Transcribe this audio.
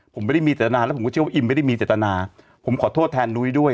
ผมไม่ได้มีจตนาแล้วผมก็เชื่อว่าอิมไม่ได้มีเจตนาผมขอโทษแทนนุ้ยด้วย